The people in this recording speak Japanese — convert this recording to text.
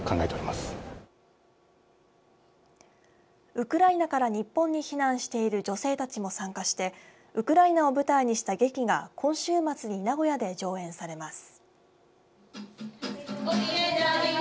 ウクライナから日本に避難している女性たちも参加してウクライナを舞台にした劇が今週末に名古屋で上演されます。